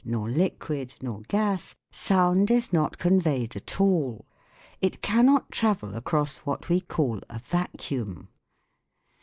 nor liquid nor gas, sound is not conveyed at all. It cannot travel across what we call a vacuum.